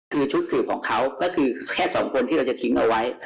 คือชุดสืบของเขาก็คือแค่สองคนที่เราจะทิ้งเอาไว้